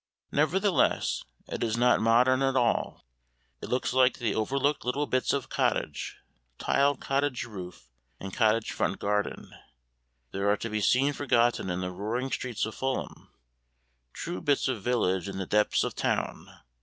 Nevertheless, it is not modern at all. It looks like the overlooked little bits of cottage, tiled cottage roof, and cottage front garden, that are to be seen forgotten in the roaring streets of Fulham true bits of village in the depths of town.